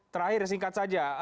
terakhir singkat saja